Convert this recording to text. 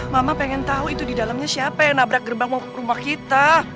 mama pengen tahu itu di dalamnya siapa yang nabrak gerbang mau ke rumah kita